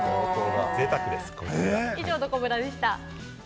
以上、どこブラでした。